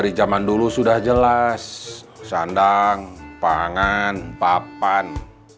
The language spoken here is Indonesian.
kalau sudah jelas sandang pangan papan